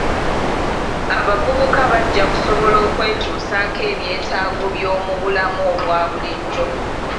Abavubuka bajja kusobola okwetuusaako ebyetaago by'omu bulamu obwa bulijjo.